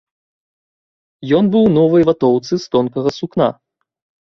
Ён быў у новай ватоўцы з тонкага сукна.